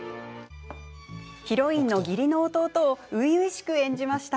ヒロインの義理の弟を初々しく演じました。